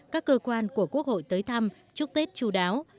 các cơ quan của quốc hội tới thăm chúc tết chú đáo